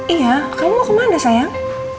iya kamu mau kemana sayang